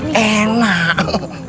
beneran enak nih